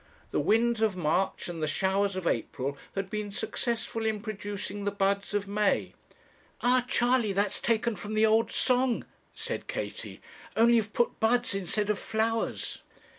The winds of March and the showers of April had been successful in producing the buds of May." 'Ah, Charley, that's taken from the old song,' said Katie, 'only you've put buds instead of flowers.'